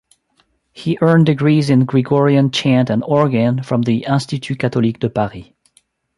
He earned degrees in Gregorian Chant and Organ from the Institut Catholique de Paris.